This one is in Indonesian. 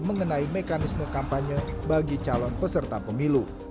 mengenai mekanisme kampanye bagi calon peserta pemilu